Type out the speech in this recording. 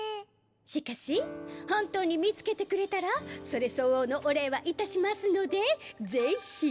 しかし本当に見つけてくれたらそれ相応のお礼はいたしますので是非。